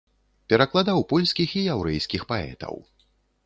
Перакладаў польскіх і яўрэйскіх паэтаў.